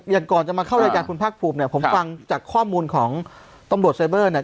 ก่อนจะมาเข้ารายการคุณภาคภูมิเนี่ยผมฟังจากข้อมูลของตำรวจไซเบอร์เนี่ย